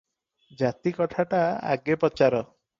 ଜାତି କଥାଟା ଆଗେ ପଚାର ।